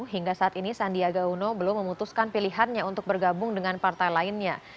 hingga saat ini sandiaga uno belum memutuskan pilihannya untuk bergabung dengan partai lainnya